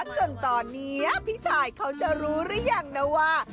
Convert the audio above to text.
จนตอนนี้พี่ชายเขาจะรู้หรือยังนะว่า